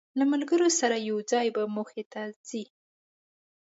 له ملګرو سره یو ځای به موخې ته ځی.